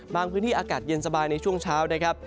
พื้นที่อากาศเย็นสบายในช่วงเช้านะครับ